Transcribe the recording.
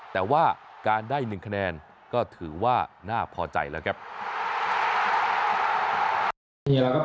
แต่ว่าการได้๑คะแนนก็ถือว่าน่าพอใจแล้วครับ